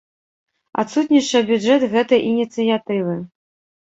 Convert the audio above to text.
Адсутнічае бюджэт гэтай ініцыятывы.